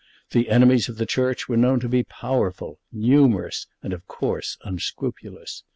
The enemies of the Church were known to be powerful, numerous, and of course unscrupulous.